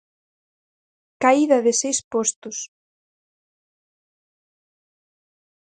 Caída de seis postos.